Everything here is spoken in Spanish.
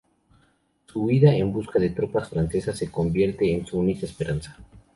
Su huida en busca de tropas francesas se convierte en su única esperanza.